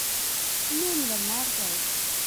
نن لمر دی